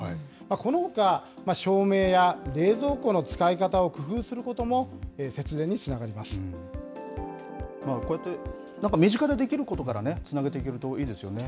このほか、照明や冷蔵庫の使い方を工夫することも節電につながりこうやってなんか身近でできることからね、つなげていけるといいですよね。